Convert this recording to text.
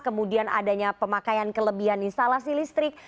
kemudian adanya pemakaian kelebihan instalasi listrik